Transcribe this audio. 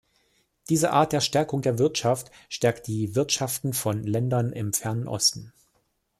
Diese Art der Stärkung der Wirtschaft stärkt die Wirtschaften von Ländern im Fernen Osten.